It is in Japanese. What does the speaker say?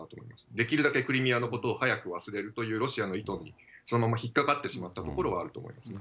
できるだけクリミアのことを早く忘れるというロシアの意図にそのまま引っかかってしまったところはあると思いますね。